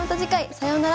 さようなら。